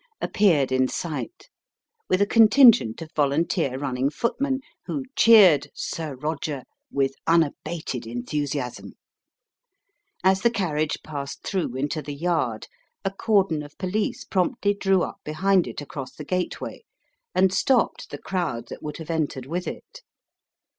appeared in sight, with a contingent of volunteer running footmen, who cheered "Sir Roger" with unabated enthusiasm. As the carriage passed through into the yard, a cordon of police promptly drew up behind it across the gateway, and stopped the crowd that would have entered with it.